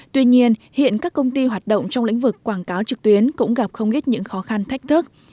tuy nhiên hiện các công ty hoạt động trong lĩnh vực quảng cáo trực tuyến cũng gặp không ít những khó khăn thách thức